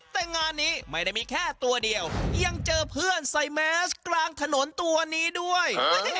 แต่งานนี้ไม่ได้มีแค่ตัวเดียวยังเจอเพื่อนใส่แมสกลางถนนตัวนี้ด้วย